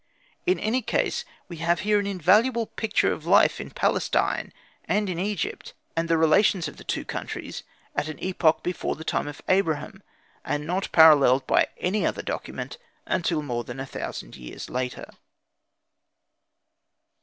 In any case, we have here an invaluable picture of life in Palestine and in Egypt, and the relations of the two countries, at an epoch before the time of Abraham, and not paralleled by any other document until more than a thousand years later.